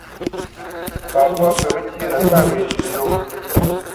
Papá pə pətíénə kâ wě zhʉ̌ʼ yó.